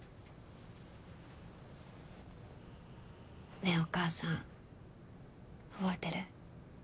ねえお母さん覚えてる？